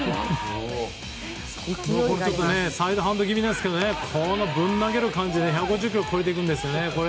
サイドハンド気味ですけどもこのぶん投げる感じで１５０キロ超えてくるんですね。